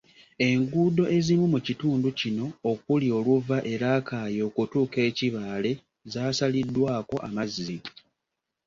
Enguudo ezimu mu kitundu kino okuli oluva e Rakai okutuuka e Kibaale zasaliddwako amazzi.